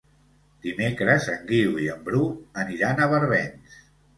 Dimecres en Guiu i en Bru aniran a Barbens.